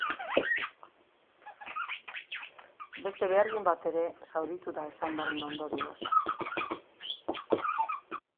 Beste behargin bat ere zauritu da eztandaren ondorioz.